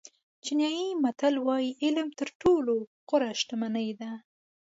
چینایي متل وایي علم تر ټولو غوره شتمني ده.